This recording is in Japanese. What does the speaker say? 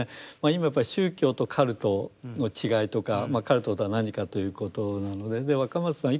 今やっぱり宗教とカルトの違いとかカルトとは何かということなので若松さん